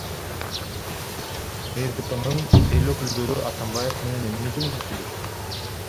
КСДПнын эл өкүлдөрү Атамбаев менен эмне жөнүндө сүйлөшүштү?